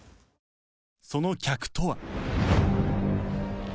その客とは